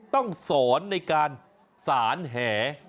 ต้องสอนในการสาร